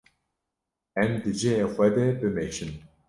Em di cihê xwe de bimeşin.